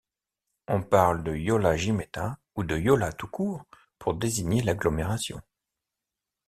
On parle de Yola-Jimeta ou de Yola tout court pour désigner l'agglomération.